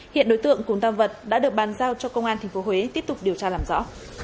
hiện đối tượng cùng tam vật đã được bàn giao cho công an tp huế tiếp tục điều tra làm rõ